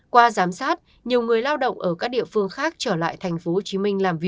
qua giám sát nhiều người lao động ở các địa phương khác trở lại tp hcm